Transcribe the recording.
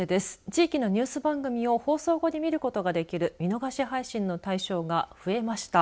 地域のニュース番組を放送後に見ることができる見逃し配信の対象が増えました。